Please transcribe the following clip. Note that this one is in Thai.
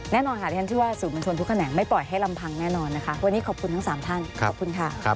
แน่นอนค่ะที่ฉันคิดว่าสื่อมวลชนทุกแขนงไม่ปล่อยให้ลำพังแน่นอนนะคะวันนี้ขอบคุณทั้ง๓ท่านขอบคุณค่ะ